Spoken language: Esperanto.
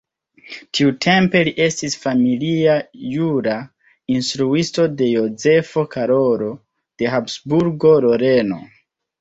Tiutempe li estis familia jura instruisto de Jozefo Karolo de Habsburgo-Loreno.